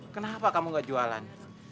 kenapa kamu gak jualan